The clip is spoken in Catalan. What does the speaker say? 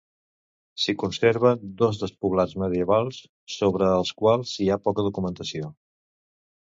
S'hi conserven dos despoblats medievals sobre els quals hi ha poca documentació.